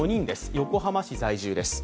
横浜市在住です。